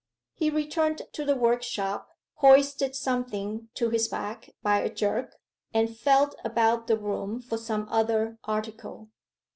He returned to the workshop, hoisted something to his back by a jerk, and felt about the room for some other article.